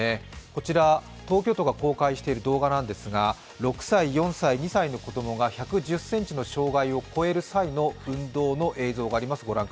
こちら、東京都が公開している動画なんですが、６歳、４歳、２歳の子供が１１０ｃｍの障害を超える運動の映像があります。